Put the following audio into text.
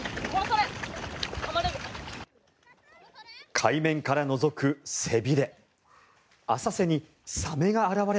海面からのぞく背びれ。